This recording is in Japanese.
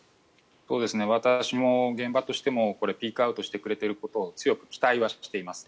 私も現場としてもピークアウトしてくれていることを強く期待はしています。